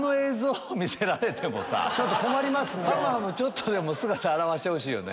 はむはむちょっとでも姿現してほしいよね。